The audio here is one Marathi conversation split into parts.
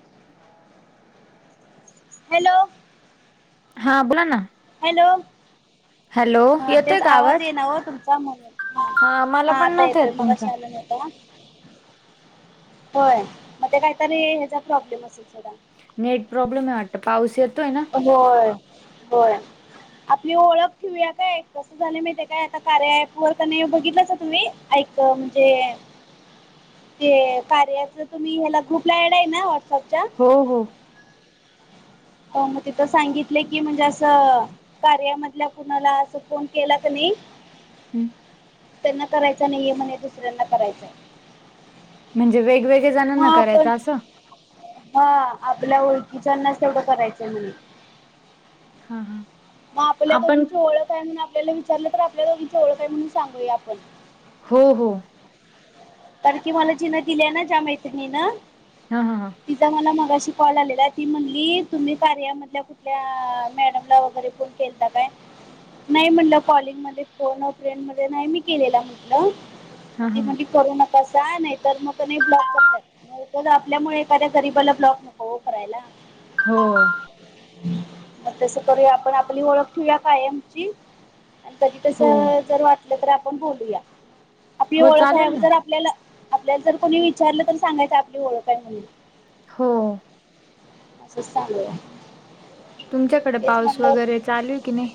[inaudible] हॅलो! हा बोला ना. हॅलो! हॅलो हा येतोय तेच का आवाज ये ना हो तुमचा म्हणून हा मला हा पण आता नव्हता येत येतोय तुमचा मगाशी अला नव्हता. होय मग ते काहीतरी ह्याचा प्रॉब्लेम असेल सोडा नेट प्रॉब्लेम आहे वाटतं पाऊस येतोय ना? होय होय. आपली ओळख ठेऊया काय कसं झालं माहिे ती काय आता कार्याअँप वर क नी बघितलासा तुम्ही ऐक म्हणजे [inaudible] ते कार्याचं तुम्ही ह्याला ग्रुप ला अँड आहे ना? व्हॉट्सअपच्या हो हो हो मग तिथं सांगितले की म्हणजे असं कार्यामधल्या कुणाला असं फोन केला क नाही हम्म त्यांना करायचा नाहीये म्हणे दुसऱ्यांना करायचंय म्हणजे वेगवेगळ्या जणांना मग आपण करायचं असं हा आपल्या ओळखीच्यांनाच तेवढं करायचंय म्हने हा हा मग आपल्या आपण दोघींची ओळख काय म्हणून आपल्याला विचारलं तर आपल्या दोघींची ओळख हाय म्हणून सांगूया आपण हो हो. कार की मला जीन दिल्या ना ज्या मैत्रिणीन हा हा हा तिचा मला मगाशी कॉल आलेला ती म्हणली तुम्ही कार्या मधल्या कुठल्या मॅडमला वगैरे फोन केलता काय नाही म्हटलं कॉलिंग मध्ये फोन अ फ्रेंड मध्ये नाही मी केलेला म्हटलं हा ग ते हा मणज करू नका असं नाही तर मग त नाही ब्लॉक करतात न आपल्यामुळे एखाद्या गरीबाला ब्लॉक नको ओ करायला हो मग तस करूया आपण आपली ओळख ठेऊया कायमची आणि कधी तस हो जर वाटलं तर आपण बोलूया आपली हो ओळख आहे चालेल ना अगोदर आपल्याला आपल्याला जर कोणी विचारलं तर सांगायचं आपली ओळखय म्हणून हो! असच सांगुया. तुमच्याकड पाऊस वगैरे चालू हे की नही.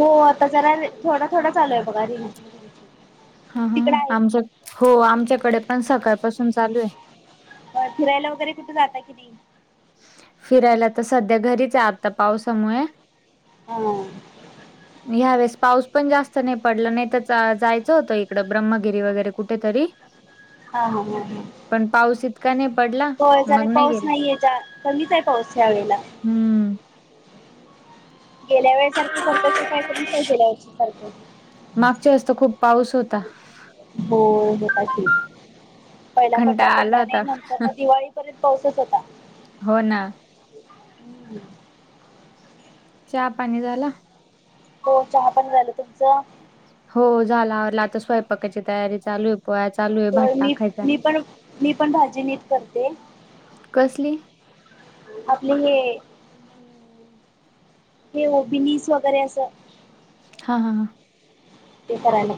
हो आता जराय थोडा, थोडा चालू आहे बघा रिंम हा ह आमच्या हो आमच्याकडे पण सकाळपासून चालू हे. फिरायला वगैरे कुठ जाता कि नाही. फिरायला तर सध्या घरीच आहे, आता पावसामुळे. ह! ह [inaudible] णी ह्यावेेळेस पाऊस पण जास्त नही पडला नही त जायचं होतं इकडं ब्रह्मगिरी वगैरे कुठेतरी. हा हा पण पाऊस इतका नाही पडला होय जरा मग नाही पाऊस गेलं नाहीयेजा. कमीच आहे पाऊस ह्या वेळेला. हूं! गेल्या वेळेसारखं करतो की काय [unintelligible] गेलया वर्षी सारखं मागच्या वेळेस त खूप पाऊस होता. हो होता की पहिला पडला कंटाळा आला पडला नाही होता नंतर म दिवाळी पर्यंत पाऊसच होता. हो ना. चहा पाणी झाला. चहा पाणी झाल तुमचं? हो झाल आवरलं आता स्वयंपाकाची तयारी चालू हे. पोळ्या चालूय. होय मी मी पण, मी पण भाजी निट करतेय. कसली आपले हे? हे हो बिनीस वगैरे असं. हा हा हां! ते करायला.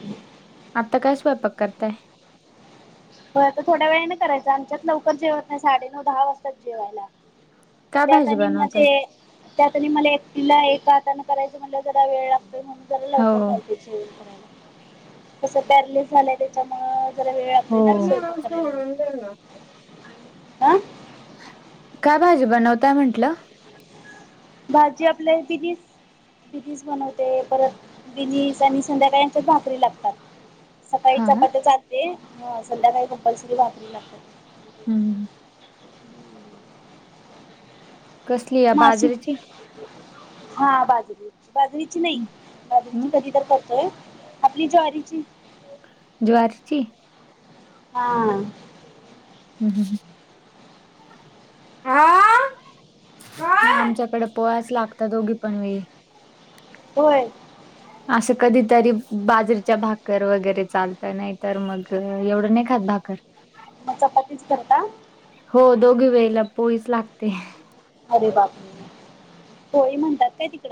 आता काय स्वयंपाक करताय. व्हयं आता थोड्या वेळा न करायचं आमच्यात लवकर जेवत नाही साडे नऊ, दहा, वाजता जेवायला. काय त्यात भाजी आणि बनवताय म्हजे. त्यात आणि मला एकटीला एका हातानं करायचं, म्हणल्या व जरा वेळ लागतोय, म्हणून जरा हो लवकर घालती. कस पॅरलीस झालंय, त्याच्यामूळ जरा वेळ लागतो. [unintelligible] स्वयंपाक करायला. हा [unintelligible] हा काय भाजी बनवताय म्हंटलं. भाजी आपल्या बीनिस. बिनीस बनवते, परत बिनीस आणि संध्याकाळी आमच्यात भाकरी लागतात. सकाळी हा चपात्या चालते, संध्याकाळी कंपल्सरी भाकरी लागत्यांत. हूं! कसली या बाजरी नाशिक ची. हा बाजरी, बाजरीची नही हं बाजरीची कधी तर करतोय. आपली ज्वारीची. ज्वारीची. हा! हूं हूं! हा! आमच्याकडे पोळ्याच्य लागता दोघी पण वेळी. होय! [inaudible] असं कधीतरी बाजरीच्या भाकर वगैरे चालतं, नाही तर मग एवढं नाही खात भाकर. म चपातीच करता. हो दोघी वेळीला पोळीच लागते. अरे बापू रे, पोळी म्हणतात काय तिकड.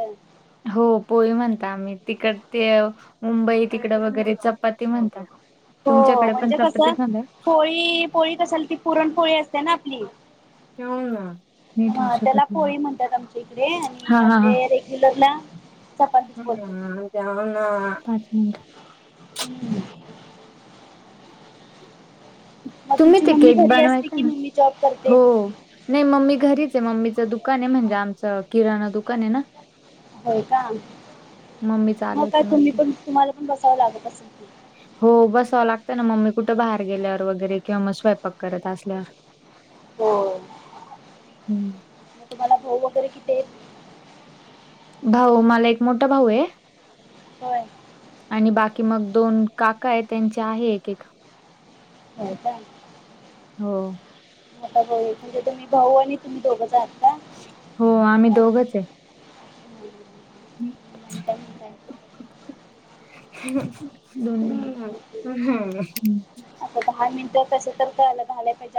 हो पोळी म्हणता आम्ही, तिकड ते मुंबई तिकड वगैरे चपाती म्हणतात. हो तुमच्याकडे पण म्हणजे चपती कसं झालं. पोळी पोळी कशाल ती पुरण पोळी असते ना आपली. हम्म. हा त्याला पोळी म्हणतात आमच्या इकडे आणि हा हा हा. आपले रेग्युलरला चपातीच बोलतात पाच मिनिट. [unintelligible] मग तुम्ही तुमची ते मम्मी केक घरी असते बनवायचे की ना, मम्मी जॉब करते हो. नाही मम्मी घरीच आहे मम्मीचा दुकान आहे म्हणजे आमचं किराणा दुकान आहे ना. होय का? मम्मी मग काय चालवते तुम्ही ते. पण तुम्हाला पण बसावं लागत असेल की. हो बसवा लागतं ना मम्मी कुठं बाहेर गेल्यावर वगैरे किंवा मग स्वयंपाक करत असल्या. [inaudible] हो, म तुम्हाला भाऊ वगैरे किती हाईत. भाऊ मला एक मोठा भाऊ आहे. होय. आणि बाकी मग दोन काका आहे त्यांचे आहे एक एक. हो का? हो, आता [unintelligible] म्हणजे तुम्ही भाऊ आणि तुम्ही दोघंच आहात का? हो आम्ही दोघच आहे. हम्म. [unintelligible] दोन. आता दहा मिनिटं कस तर [unintelligible]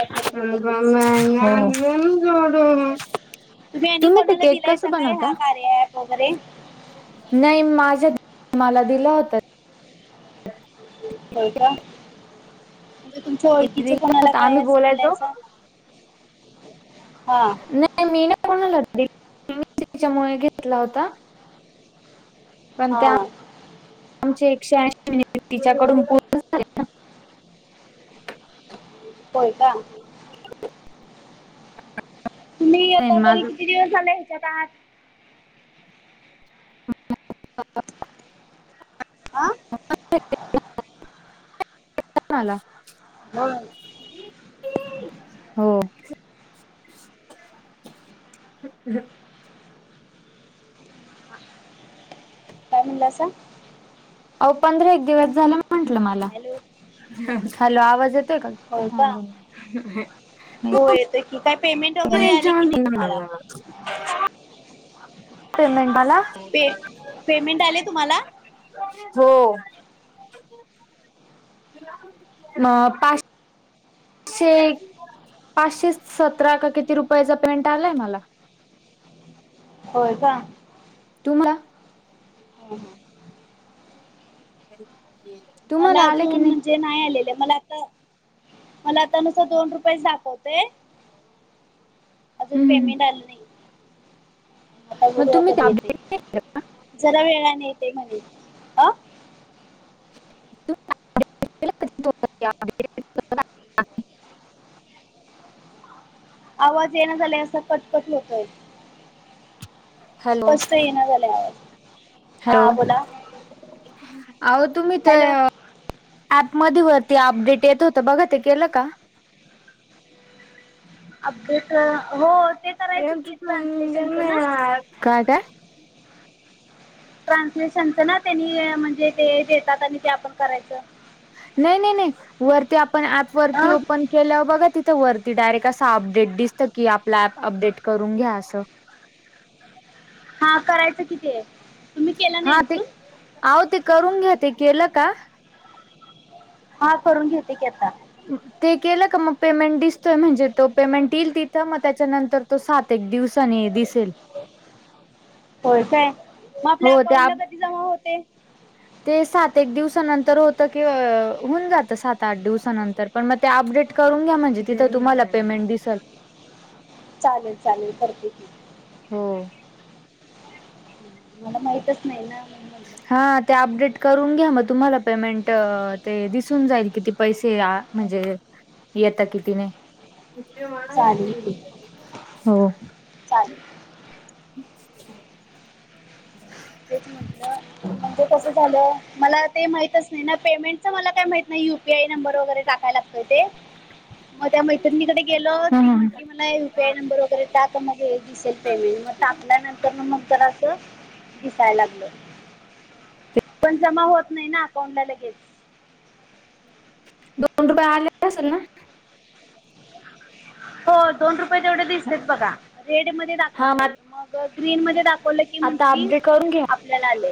आपल्याला बोलतच तुम्ही आणि ते कोणाला केक दिलायसा कसं काय बनवता? हा कार्य ॲप वगैरे. नाही माझ्या, मला दिला होता. होय काय? म्हणजे तुमच्या तिने ओळखीचं दिला कोणाला होता. काय आम्ही असं दिलायसा. बोलायचो हा. नाही मी नाही कोणाला [unintelligible] त्याच्यामुळे घेतला होता. पण हा त्या आमचे एकशे ऐशी मिनिटं तिच्याकडून पु होय का? आहे तुम्हीआता तरी माझं किती दिवस झाले ह्याच्यात आहात. [unintelligible] आ. [unintelligible] होय. हो. [unintelligible] काय म्हणला सा. आव पंधरा एक दिवस झाला म्हंटलं मला, हॅलो हॅलो आवाज येतोय का? [unintelligible] तेकी काय पेमेंट वगैरे आले की नाही तुम्हाला. पेमेंट आला. पे पेमेंट आले तुम्हाला हो. म पाच शे पाचशे सतरा का किती रुपयाचा पेमेंट आलाय मला. होय का? तुम्हाला हम्म हम्म [unintelligible] मला आलं की अजून म्हणजे ते नाही आलेलं मला आता मला आता नुसत दोन रुपयेच दाखवतय [inaudible] अजून हं, हं. पेमेंट आलं नाही आता मग बघूया तुम्ही ते कधी अपडेट येतंय नाही केलं. जरा वेळा न येतंय म्हणे अ [unintelligible] काय? आवाज येईना झालाय असा कटकट होतोय हॅलो, स्पष्ट येईना झाल्या आवाज हॅलो. हा बोला अहो तुम्ही हॅलो तर ऍप मध्ये वरती अपडेट येत होत बघा ते केलं का अपडेट हो तेच [unintelligible] काय काय ट्रान्सलेशनच ना त्यांनी म्हणजे ते देतात आणि ते आपण करायचं नाही नाही नाही वरती आपण ऍप वरती अ ओपन केल्यावर बघा तिथं वरती डायरेक्ट असं अपडेट दिसतं की आपलं ऍप अपडेट करून घ्या असं हा करायचं की ते तुम्ही केलं हा नाही ते अजून अहो ते करून घ्या ते केलं का हा करून घेते की आता ते केलं का मग पेमेंट दिसतोय म्हणजे तो पेमेंट येईल तिथं मग त्याच्यानंतर तो सात एक दिवस दिसेल होय काय मग आपल्या हो ते अकाउंटला अप कधी जमा होते ते सात एक दिवसानंतर होतं कि होऊन जातं सात आठ दिवसानंतर पण मग ते अपडेट करून घ्या म्हणजे तिथं तुम्हाला पेमेंट दिसलं चालेल चालेल करते की हो मला माहितच नाही ना म्हणून [inaudible] हा म्हटलं ते अपडेट करून घ्या मग तुम्हाला पेमेंट ते दिसून जाईल किती पैसे म्हणजे येत कितीने चालेल की हो चालेल [unintelligible] तेच म्हटलं म्हणजे कसं झालं मला ते माहितच नाही ना पेमेंटच मला काय माहीत नाही युपीआय नंबर वगैरे टाकाय लागतोय ते. मग त्या मैत्रिणीकडे गेलो हम्म ती हम्म. म्हटली मला पे नंबर वगैरे टाक मग दिसेल पेमेंट मग टाकल्यानंतर मग जरास दिसाय लागल पण जमा होत नाही ना अकाउंटला लगेच दोन रुपये आले असल ना हो दोन रुपये तेवढे दिसत बघा रेड मध्ये हा म मग ग्रीन मध्ये दाखवलं की आता म्हटली अपडेट करून घ्या आपल्याला आले.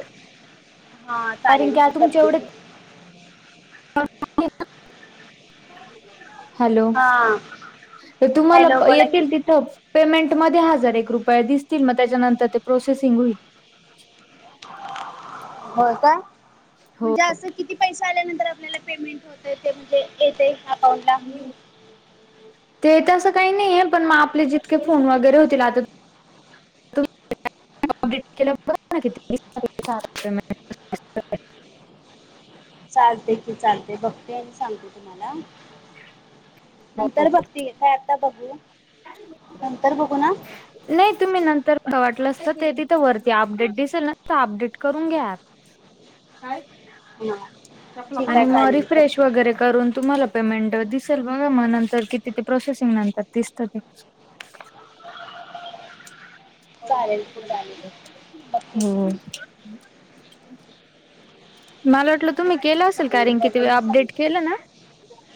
हा कारण चालेल की तुमचे करते की. एवढे [unintelligible] हॅलो हा तुम्हाला हॅलो बोला की येतील तिथंच. पेमेंट मध्ये हजार एक रुपये दिसतील मग त्याच्यानंतर ते प्रोसेसिंग होईल. हो का हो म्हणजे असं किती पैसे आल्यानंतर आपल्याला पेमेंट होतय ते म्हणजे येतेय आप ते तस काही नाहीये पण मग आपले जितके फोन वगैरे होतील आता कंप्लीट केल्यावर बघा ना किती दिसतय पेमेंट चालतय की चालते बघते आणि सांगते तुम्हाला. नंतर बघते घे काय आता बघू नंतर बघू ना? नाही तुम्ही नंतर वाटलंस तर ते तिथं वरती आपडेट दिसल ना तिथं आपडेट करून घ्या. काय? हा ठीक आणि आहे मग चालेल रिफ्रेश करते वगैरे करून, तुम्हाला पेमेंट दिसेल बघा म नंतर किती ते प्रोसेसिंग नंतर दिसतं ते. [inaudible] चालेल की चालेल बघते हो. मी मला वाटलं तुम्ही केलं आसेल चालेल कारन कि तुम्ही बघून आपडेट सांगते केलं ना?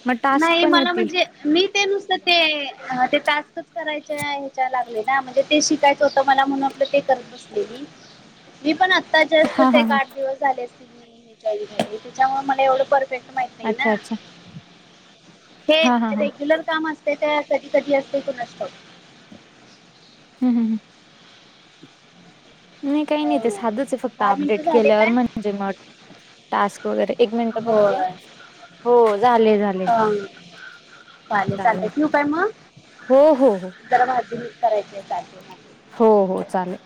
मग टास्क नाही पण मला येतील. म्हणजे मी ते नुसत ते हा ते टास्कच करायचे ह्याच्या लागले ना म्हणजे ते शिकायचं होतं मला म्हणटलो ते करत ब सलेली मी पण आता हा जस्टच हा एक हा आठ दिवस झाले असतील मी [unintelligible] झालो त्याच्यामुळ मला एवढं पर फेक्ट माहीत नाही अच्छा ना अच्छा हे हा हा हा रेग्युलर काम अस ते त्या कधी कधी असतोय कुणास ठाऊक? हू, हू, हू. नाही काही नाही हो ते साधच आहे फक्त दहा मिनिटं आपडेट झाले केल्यावर काय म्हणजे म टास्क वगैरे एक मिनट बघते होय हो झाले झाले. अं, चालेल चालल चालतंय ठेवू काय मग हो, हो, हो. जरा भाजी नीट करायची हाय काय ते मग? हो हो चाल